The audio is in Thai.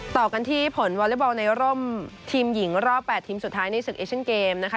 ต่อกันที่ผลวอเล็กบอลในร่มทีมหญิงรอบ๘ทีมสุดท้ายในศึกเอเชียนเกมนะคะ